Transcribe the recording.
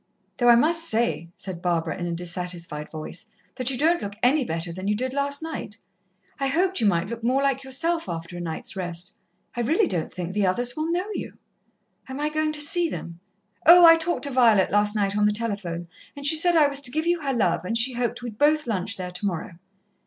"Though I must say," said Barbara, in a dissatisfied voice, "that you don't look any better than you did last night. I hoped you might look more like yourself, after a night's rest. I really don't think the others will know you." "Am I going to see them?" "Oh, I talked to Violet last night on the telephone, and she said I was to give you her love, and she hoped we'd both lunch there tomorrow."